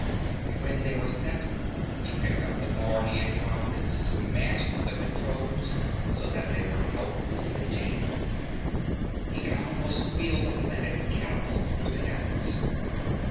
And when they were set, he picked up the bar he had dropped and smashed the controls so that they were helplessly jammed. He could almost feel the planet catapult through the heavens.